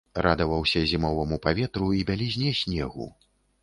Радаваўся зімоваму паветру і бялізне снегу.